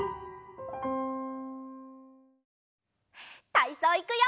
たいそういくよ！